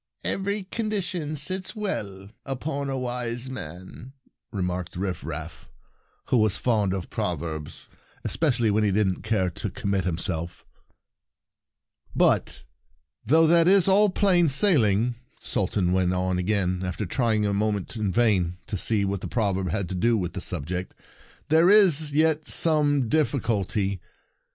"'Every condition sits well Safe Play upon a wise man,' " remarked Rifraf, who was fond of proverbs, especially when he didn't care to commit himself. Sultan Puzzled 52 The Sultan's An Offer "But, though that is all plain Made sailing," the Sultan went on again, after trying a moment in vain to see what the proverb had to do with the subject, "there, is yet some difficulty.